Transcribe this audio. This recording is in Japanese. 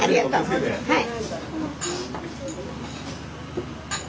はい。